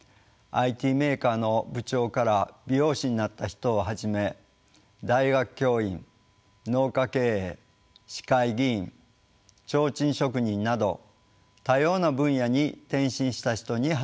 ＩＴメーカーの部長から美容師になった人をはじめ大学教員農家経営市会議員ちょうちん職人など多様な分野に転身した人に話を聞きました。